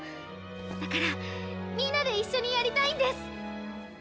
だからみんなでいっしょにやりたいんです！